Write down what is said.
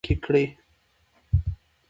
دې نـالـوسـتو کسـانـو څـخـه ډک کـړي.